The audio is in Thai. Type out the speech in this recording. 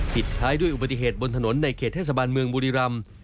ปิดท้ายด้วยอุบัติเหตุบนถนนในเขตเทศบาลเมืองบุรีรำ